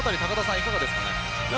いかがですか。